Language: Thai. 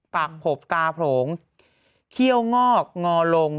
ปากหบกาโผลงเขี้ยวงอกงอลง